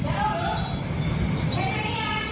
ทางออกก็ใช้แท้